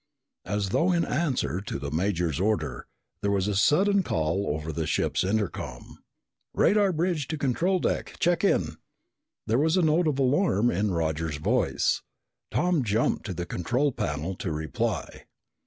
As though in answer to the major's order, there was a sudden call over the ship's intercom. "Radar bridge to control deck, check in!" There was a note of alarm in Roger's voice. Tom jumped to the control panel to reply.